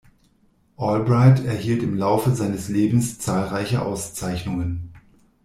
Albright erhielt im Laufe seines Lebens zahlreiche Auszeichnungen.